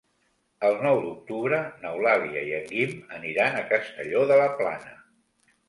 El nou d'octubre n'Eulàlia i en Guim aniran a Castelló de la Plana.